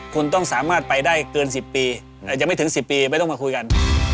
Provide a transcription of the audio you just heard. คุณต้องสามารถไปได้เกิน๑๐ปีอาจจะไม่ถึง๑๐ปีไม่ต้องมาคุยกัน